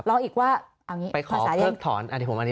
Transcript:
ร้องอีกว่าไปขอเพิกถอนอันนี้ผมอธิบาย